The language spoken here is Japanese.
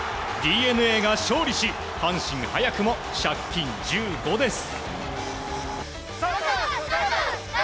ＤｅＮＡが勝利し、阪神早くも借金１５です。